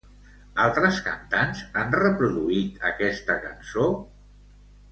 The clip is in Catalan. Altres cantants han reproduït aquesta cançó?